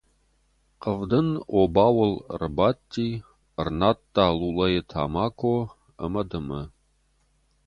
Хъӕвдын обауыл ӕрбадти, ӕрнадта лулӕйы тамако ӕмӕ дымы.